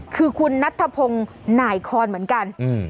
คือคุณนัทธพงศ์หน่ายคอนเหมือนกัน